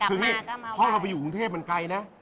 คือนี่พ่อเราไปอยู่กรุงเทพมันไกลนะ